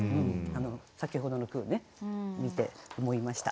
先ほどの句を見て思いました。